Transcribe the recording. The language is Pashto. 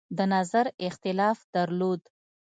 د نظر اختلاف درلود.